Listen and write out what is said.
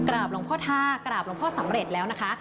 หลวงพ่อท่ากราบหลวงพ่อสำเร็จแล้วนะคะ